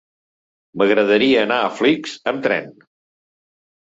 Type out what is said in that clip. M'agradaria anar a Flix amb tren.